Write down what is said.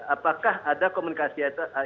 apakah ada komunikasi